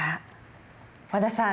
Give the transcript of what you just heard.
和田さん